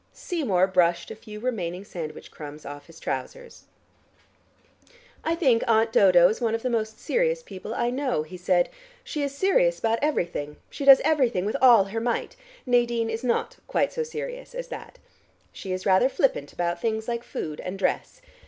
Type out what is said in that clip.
Seymour brushed a few remaining sandwich crumbs off his trousers. "I think Aunt Dodo is one of the most serious people I know," he said. "She is serious about everything. She does everything with all her might. Nadine is not quite so serious as that. She is rather flippant about things like food and dress.